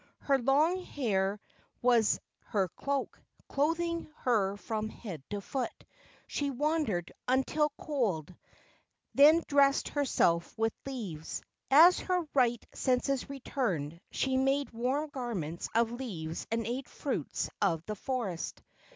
Her long hair was her cloak, clothing her from head to foot. She wandered until cold, then dressed herself with leaves. As her right senses returned she made warm garments of leaves and ate fruits of the forest.